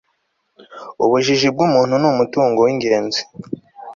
ubujiji bw'umuntu ni umutungo w'ingenzi